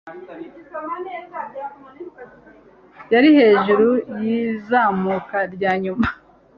yari hejuru yizamuka rya nyuma